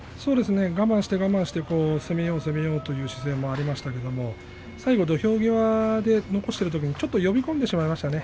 我慢して我慢して攻めよう、攻めようという姿勢がありましたが最後、土俵際で残しているときちょっと呼び込んでしまいましたね。